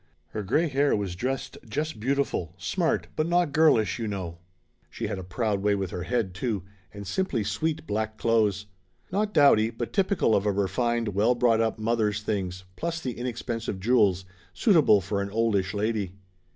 Her gray hair was dressed just beautiful smart, but not girlish, you know. She had a proud way with her head, too, and simply sweet black clothes. Not dowdy, but typical of a refined, well brought up mother's things, plus the inexpensive jewels suitable for an oldish lady.